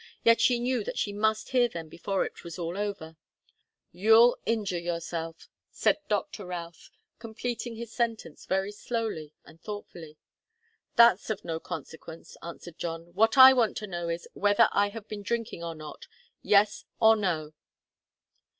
Yet she knew that she must hear them before it was all over. "You'll injure yourself," said Doctor Routh, completing his sentence very slowly and thoughtfully. "That's of no consequence," answered John. "What I want to know is, whether I have been drinking or not. Yes or no?"